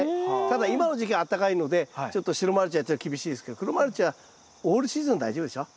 ただ今の時期はあったかいのでちょっと白マルチやったら厳しいですけど黒マルチはオールシーズン大丈夫でしょ。